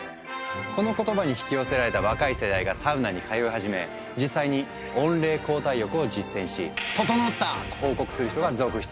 この言葉に引き寄せられた若い世代がサウナに通い始め実際に温冷交代浴を実践し「ととのった！」と報告する人が続出。